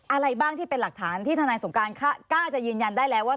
อะไรบ้างที่เป็นหลักฐานที่ทนายสงการกล้าจะยืนยันได้แล้วว่า